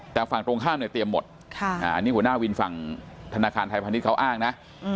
แต่ฝั่งตรงข้ามเนี่ยเตรียมหมดอันนี้หัวหน้าวินฝั่งธนาคารไทยพาณิชย์เขาอ้างนะ